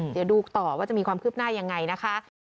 เดี๋ยวดูต่อว่าจะมีความคืบหน้ายังไงนะคะ